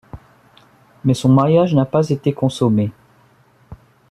Mais son mariage n'a pas été consommé.